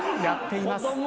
やっています。